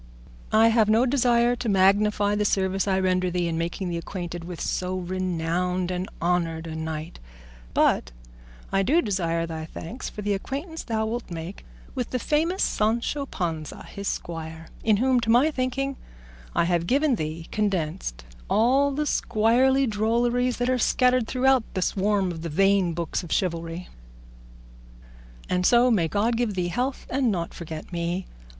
I have no desire to magnify the service I render thee in making thee acquainted with so renowned and honoured a knight, but I do desire thy thanks for the acquaintance thou wilt make with the famous Sancho Panza, his squire, in whom, to my thinking, I have given thee condensed all the squirely drolleries that are scattered through the swarm of the vain books of chivalry. And so may God give thee health, and not forget me.